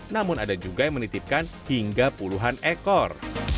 namun ada juga yang menitipkan hingga puluhan ekor